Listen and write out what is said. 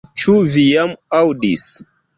Ĉu vi jam aŭdis?